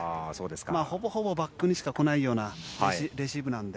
ほぼほぼバックにしか来ないようなレシーブなので。